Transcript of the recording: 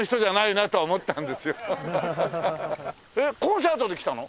コンサートで来たの？